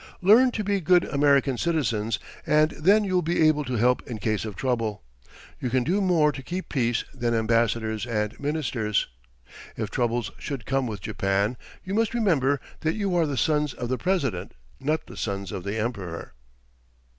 Learn to be good American citizens, and then you will be able to help in case of trouble. You can do more to keep peace than ambassadors and ministers.... If trouble should come with Japan, you must remember that you are the sons of the President, not the sons of the Emperor."